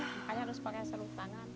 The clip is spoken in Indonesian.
bukannya harus pakai seluruh tangan